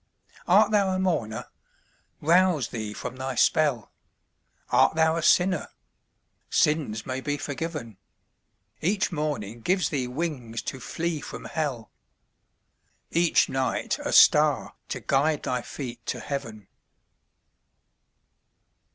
Art thou a mourner? Rouse thee from thy spell ; Art thou a sinner? Sins may be forgiven ; Each morning gives thee wings to flee from hell, Each night a star to guide thy feet to heaven.